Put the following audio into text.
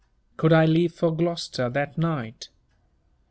Could I leave for Gloucester that night?